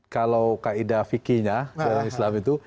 kalau kaedah fikirnya seorang islam itu